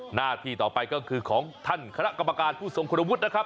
หน้าที่ต่อไปก็คือของท่านคณะกรรมการผู้ทรงคุณวุฒินะครับ